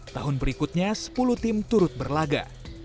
tahun berikutnya sepuluh tim turut berlaga